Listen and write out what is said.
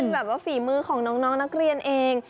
เป็นฝี่มือของน้องนักเรียนเอง